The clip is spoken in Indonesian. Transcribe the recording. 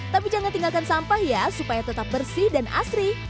tapi jangan tinggalkan sampah ya supaya tetap bersih dan asri